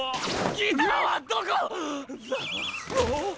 ギターはどこだ。